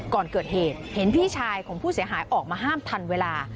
ก่อนเกิดเหตุเห็นพี่ชายของผู้เสียหายออกมาห้ามทันเวลา